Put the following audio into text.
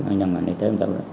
nhân ngành y tế